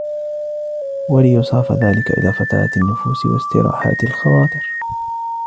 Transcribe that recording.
وَلْيُصْرَفْ ذَلِكَ إلَى فَتَرَاتِ النُّفُوسِ وَاسْتِرَاحَاتِ الْخَوَاطِرِ